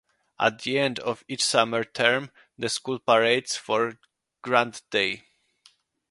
At the end of each summer term the school parades for Grand Day.